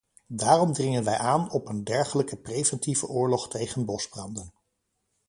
Daarom dringen wij aan op een dergelijke preventieve oorlog tegen bosbranden.